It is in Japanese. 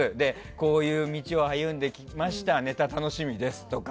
こういう道を歩んできましたネタ、楽しみですとか。